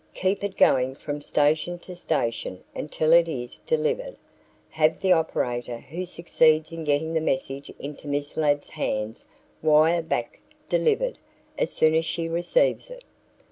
Keep it going from station to station until it is delivered. Have the operator who succeeds in getting the message into Miss Ladd's hands wire back 'delivered' as soon as she receives it."